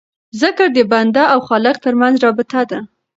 ذکر د بنده او خالق ترمنځ رابطه ده.